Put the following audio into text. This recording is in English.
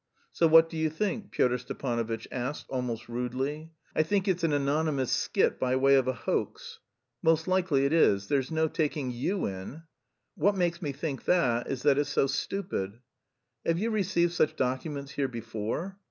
"So what do you think?" Pyotr Stepanovitch asked almost rudely. "I think it's an anonymous skit by way of a hoax." "Most likely it is. There's no taking you in." "What makes me think that is that it's so stupid." "Have you received such documents here before?"